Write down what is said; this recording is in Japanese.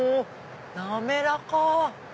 滑らか！